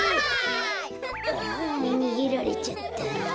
ああにげられちゃった。